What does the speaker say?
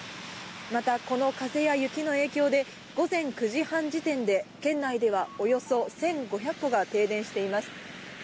また、この風や雪の影響で午前９時半時点で県内ではおよそ１５００戸が停電しています。